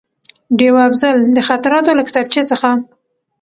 ډېوه افضل: د خاطراتو له کتابچې څخه